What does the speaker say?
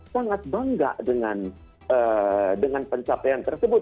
sangat bangga dengan pencapaian tersebut